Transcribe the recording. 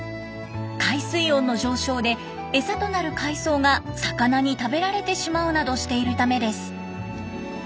海水温の上昇で餌となる海藻が魚に食べられてしまうなどしているためです。